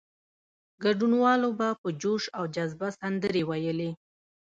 ګډونوالو به په جوش او جذبه سندرې ویلې.